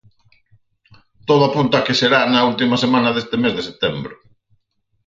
Todo apunta a que será na última semana deste mes de setembro.